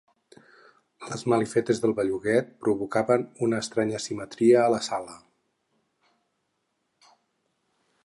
Les malifetes del belluguet provocaven una estranya simetria a la sala.